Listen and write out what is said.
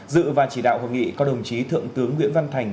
dự và chỉ đạo hội nghị có đồng chí thượng tướng nguyễn văn thành